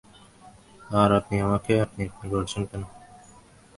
আর আপনি আমাকে আপনি-আপনি করছেন কেন?